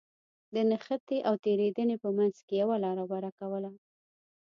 د نښتې او تېرېدنې په منځ کې يوه لاره غوره کوله.